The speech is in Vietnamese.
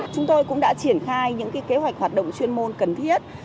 chúng tôi cũng đã triển khai những kế hoạch hoạt động chuyên môn cần thiết